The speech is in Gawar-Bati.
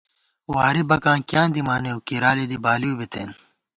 واری بکاں کیاں دِمانېؤ، کِرالی دی بالیؤ بتېن